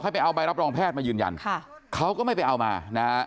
ไปเอาใบรับรองแพทย์มายืนยันค่ะเขาก็ไม่ไปเอามานะฮะ